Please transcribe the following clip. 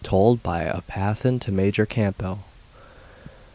[Told by a Pathan to Major Campbell.